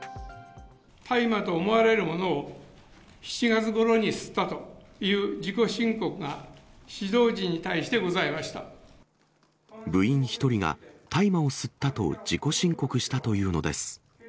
大麻と思われるものを、７月ごろに吸ったという自己申告部員１人が、大麻を吸ったと自己申告したというのです。